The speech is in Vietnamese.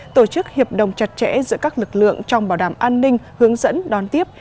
tổ chức hiệp đồng chặt chẽ giữa các lực lượng trong bảo đảm an ninh hướng dẫn đón tiếp